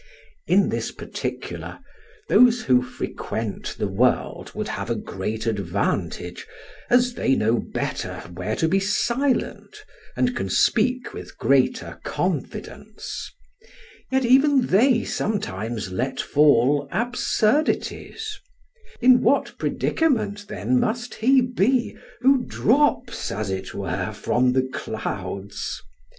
In this particular, those who frequent the world would have a great advantage, as they know better where to be silent, and can speak with greater confidence; yet even they sometimes let fall absurdities; in what predicament then must he be who drops as it were from the clouds?